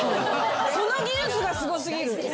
その技術がすご過ぎる。